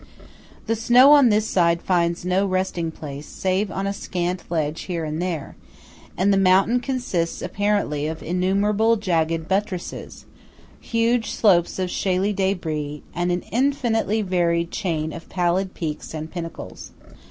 The snow on this side finds no resting place, save on a scant ledge here and there; and the mountain consists apparently of innumerable jagged buttresses, huge slopes of shaley débris, and an infinitely varied chain of pallid peaks and pinnacles.